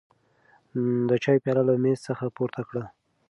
د چای پیاله له مېز څخه پورته کړه.